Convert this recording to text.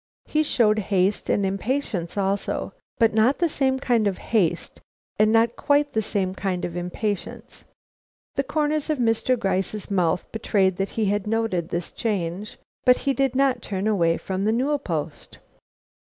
He showed haste and impatience also, but not the same kind of haste and not quite the same kind of impatience. The corners of Mr. Gryce's mouth betrayed that he noted this change, but he did not turn away from the newel post.